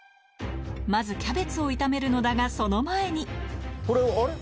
まずキャベツを炒めるのだがその前にこれあれ？